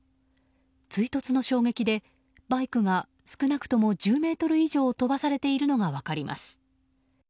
追突の衝撃で、バイクが少なくとも１０ｍ以上飛ばされているのが分かります。